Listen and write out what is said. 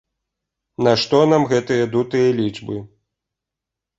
Нашто нам гэтыя дутыя лічбы?